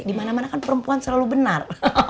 dimana mana kan perempuan selalu benar